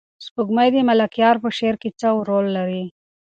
سپوږمۍ د ملکیار په شعر کې څه رول لري؟